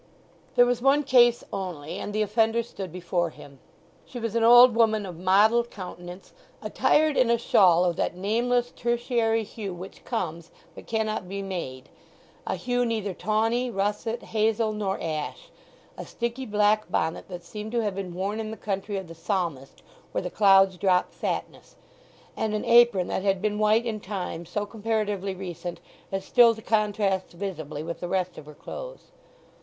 There was one case only, and the offender stood before him. She was an old woman of mottled countenance, attired in a shawl of that nameless tertiary hue which comes, but cannot be made—a hue neither tawny, russet, hazel, nor ash; a sticky black bonnet that seemed to have been worn in the country of the Psalmist where the clouds drop fatness; and an apron that had been white in time so comparatively recent as still to contrast visibly with the rest of her clothes.